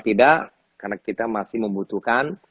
tidak karena kita masih membutuhkan